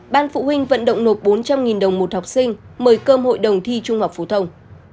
ban phụ huynh vận động nộp bốn trăm linh đồng một học sinh mời cơm hội đồng thi trung học phổ thông